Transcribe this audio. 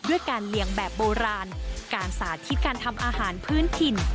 ด้วยการเลี้ยงแบบโบราณการสาธิตการทำอาหารพื้นถิ่น